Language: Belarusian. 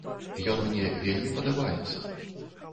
Ён мне вельмі падабаецца.